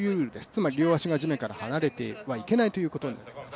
つまり両足が地面から離れてはいけないということです。